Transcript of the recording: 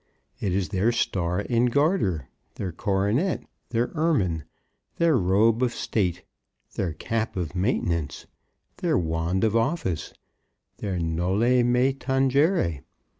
It is their star and garter, their coronet, their ermine, their robe of state, their cap of maintenance, their wand of office, their noli me tangere.